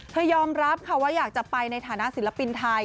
ยอมรับค่ะว่าอยากจะไปในฐานะศิลปินไทย